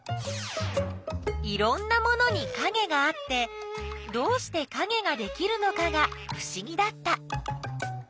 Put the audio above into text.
いろんなものにかげがあってどうしてかげができるのかがふしぎだった。